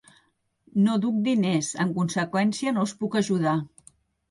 No duc diners; en conseqüència, no us puc ajudar.